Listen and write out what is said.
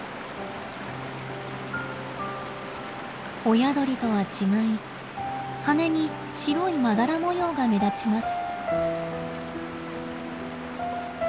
親鳥とは違い羽に白いまだら模様が目立ちます。